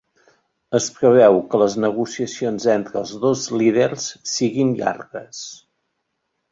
Es preveu que les negociacions entre els dos líders siguin llargues